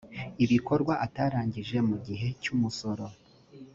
ibikorwa atarangije mu gihe cy’umusoro